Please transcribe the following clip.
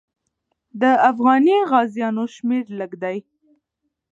د افغاني غازیانو شمېر لږ دی.